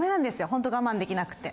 ホント我慢できなくて。